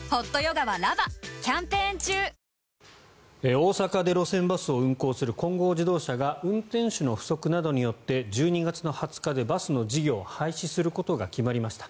大阪で路線バスを運行する金剛自動車が運転手の不足などによって１２月２０日でバスの事業を廃止することが決まりました。